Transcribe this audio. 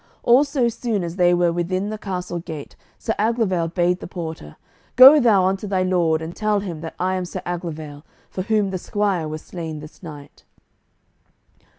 All so soon as they were within the castle gate Sir Aglovale bade the porter "Go thou unto thy lord and tell him that I am Sir Aglovale, for whom the squire was slain this night."